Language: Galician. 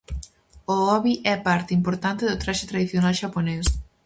O obi é parte importante do traxe tradicional xaponés.